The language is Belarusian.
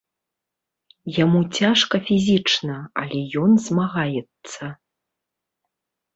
Яму цяжка фізічна, але ён змагаецца.